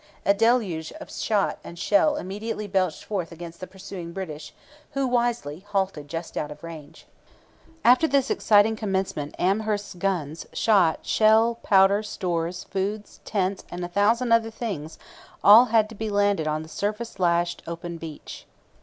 A deluge of shot and shell immediately belched forth against the pursuing British, who wisely halted just out of range. After this exciting commencement Amherst's guns, shot, shell, powder, stores, food, tents, and a thousand other things had all to be landed on the surf lashed, open beach.